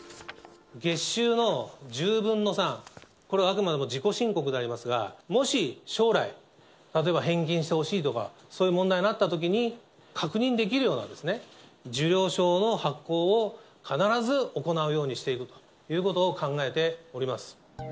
月給の１０分の３、これはあくまでも自己申告でありますが、もし将来、例えば返金してほしいとか、そういう問題になったときに、確認できるようなですね、受領証の発行を必ず行うようにしていくということを考えております。